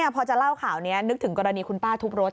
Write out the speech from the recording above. พอจะเล่าข่าวนี้นึกถึงกรณีคุณป้าทุบรถ